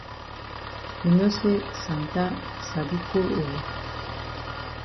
You know say Santa sabi cold over.